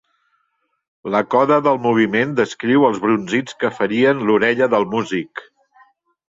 La coda del moviment descriu els brunzits que ferien l'orella del músic.